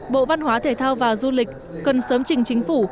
bộ văn hóa thể thao và du lịch cần sớm trình chính phủ